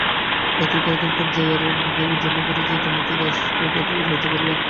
রাত্রির খাওয়াদাওয়ার পর জয়ার জন্য ঘরে যাইতে মতির আজ প্রথম লজ্জা করিল।